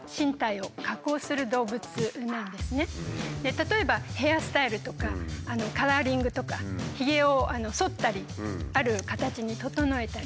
例えばヘアスタイルとかカラーリングとかひげをそったりある形に整えたりと。